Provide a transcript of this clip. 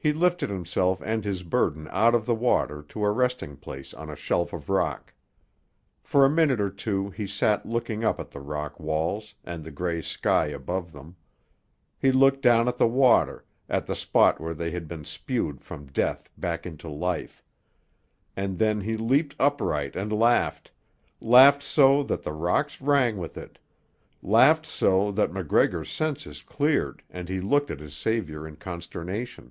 He lifted himself and his burden out of the water to a resting place on a shelf of rock. For a minute or two he sat looking up at the rock walls and the grey sky above them. He looked down at the water, at the spot where they had been spewed from death back into life. And then he leaped upright and laughed, laughed so that the rocks rang with it, laughed so that MacGregor's senses cleared and he looked at his saviour in consternation.